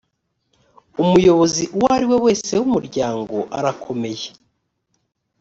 umuyobozi uwo ariwe wese w’umuryango arakomeye